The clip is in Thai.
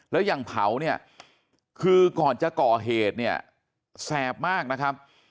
แล้วอย่างเผาเนี่ยคือก่อนจะก่อเหตุเนี่ยแสบมากนะครับ